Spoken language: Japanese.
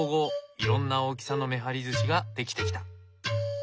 いろんな大きさのめはりずしが出来てきた。